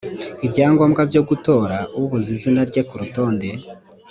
ibyangombwa byo gutora ubuze izina rye ku rutonde